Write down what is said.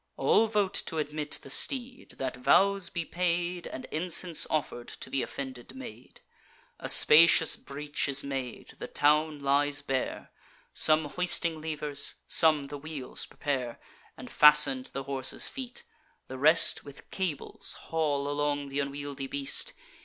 All vote t' admit the steed, that vows be paid And incense offer'd to th' offended maid. A spacious breach is made; the town lies bare; Some hoisting levers, some the wheels prepare And fasten to the horse's feet; the rest With cables haul along th' unwieldly beast.